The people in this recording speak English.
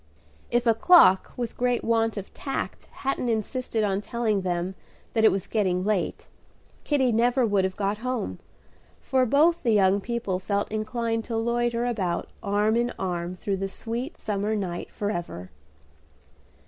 If a clock with great want of tact hadn't insisted on telling them that it was getting late, Kitty never would have got home, for both the young people felt inclined to loiter about arm in arm through the sweet summer night forever.